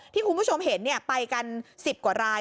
ที่คุณผู้ชมเห็นไปกัน๑๐กว่าราย